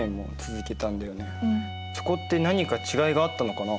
そこって何か違いがあったのかな？